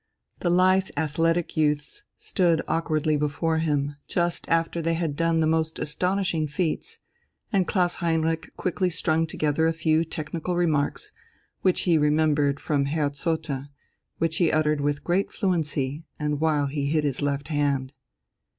The lithe athletic youths stood awkwardly before him, just after they had done the most astonishing feats, and Klaus Heinrich quickly strung together a few technical remarks, which he remembered from Herr Zotte, and which he uttered with great fluency, the while he hid his left hand.